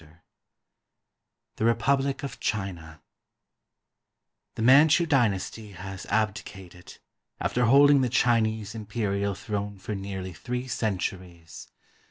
] THE REPUBLIC OF CHINA The Manchu Dynasty has abdicated, after holding the Chinese Imperial throne for nearly three centuries.